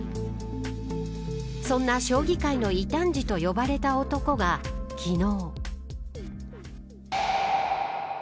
そんな将棋界の異端児と呼ばれた男が昨日。